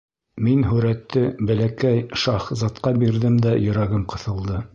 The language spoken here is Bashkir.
Мин һүрәтте Бәләкәй шаһзатҡа бирҙем дә йөрәгем ҡыҫылды.